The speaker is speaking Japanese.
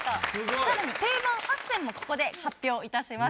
さらに定番８選もここで発表いたします。